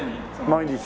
毎日？